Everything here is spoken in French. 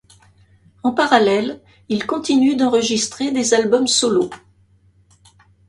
En parallèles, il continue d'enregistrer des albums solos.